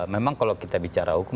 memang kalau kita bicara hukum